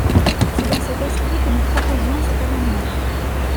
C’est dans cet esprit que nous proposions cet amendement.